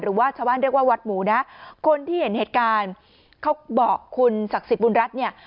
หรือว่าชาวบ้านเรียกว่าวัดหมูนะคนที่เห็นเหตุการณ์เขาบอกคุณศักดิ์สิทธิบุญรัฐเนี่ย